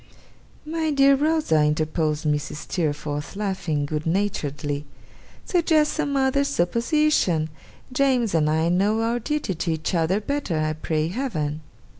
'My dear Rosa,' interposed Mrs. Steerforth, laughing good naturedly, 'suggest some other supposition! James and I know our duty to each other better, I pray Heaven!